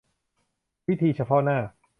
วิธีเฉพาะหน้า